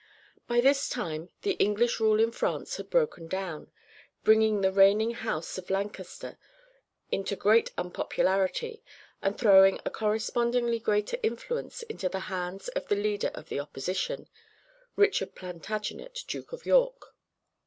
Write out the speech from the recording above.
By this time the English rule in France had broken down, bringing the reigning house of Lancaster into great unpopularity, and throwing a correspondingly greater influence into the hands of the leader of the opposition, Richard Plantagenet, Duke of York.